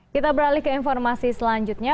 kita beralih ke informasi selanjutnya